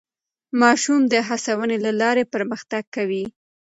ماشومان د هڅونې له لارې پرمختګ کوي